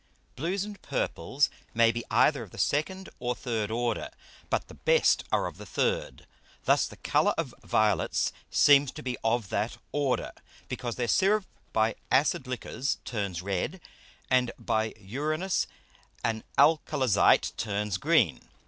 Blues and Purples may be either of the second or third Order, but the best are of the third. Thus the Colour of Violets seems to be of that Order, because their Syrup by acid Liquors turns red, and by urinous and alcalizate turns green.